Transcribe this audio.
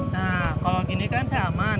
nah kalau gini kan saya aman